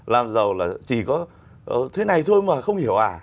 làm giàu là chỉ có thế này thôi mà không hiểu à